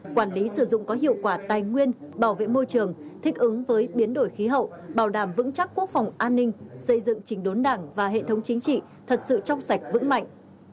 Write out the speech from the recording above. biến đổi khí hậu bảo đảm vững chắc quốc phòng an ninh xây dựng chính đốn đảng và hệ thống chính trị thật sự trong sạch vững mạnh